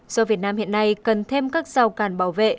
do việt nam hiện nay cần thêm các rào càn bảo vệ